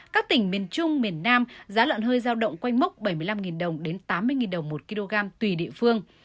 các tỉnh miền trung miền nam giá lợn hơi giao động quanh mốc bảy mươi năm đồng đến tám mươi đồng một kg tùy địa phương